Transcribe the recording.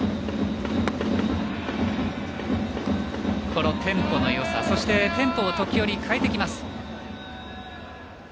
このテンポのよさそしてテンポを時折変えてきます。